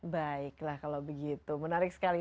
baiklah kalau begitu menarik sekali